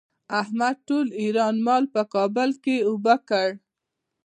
احمد ټول ايران مال په کابل کې اوبه کړ.